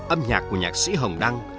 âm nhạc của nhạc sĩ hồng đăng